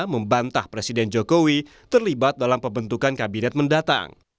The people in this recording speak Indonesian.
membantah presiden jokowi terlibat dalam pembentukan kabinet mendatang